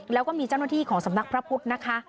แล้วก็มีเจ้าหน้าที่ของสำนักพระพุทธนะคะ